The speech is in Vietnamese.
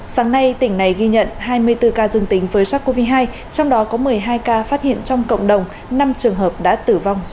sáng nay tỉnh này ghi nhận hai mươi bốn ca dương tính với sars cov hai trong đó có một mươi hai ca phát hiện trong cộng đồng năm trường hợp đã tử vong do covid một mươi chín